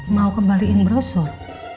mau kembalikan brosur